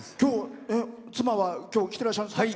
奥様きょう来ていらっしゃいますか。